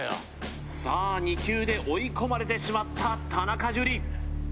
さあ２球で追い込まれてしまった田中樹！